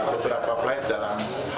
beberapa flight dalam